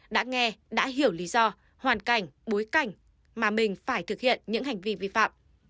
đã nghe đã hiểu lý do hoàn cảnh bối cảnh mà mình phải thực hiện những hành vi vi phạm